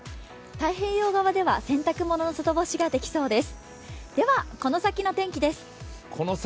太平洋側では洗濯物の外干しができそうです。